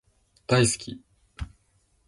大好き